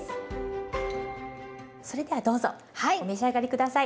それではどうぞお召し上がり下さい。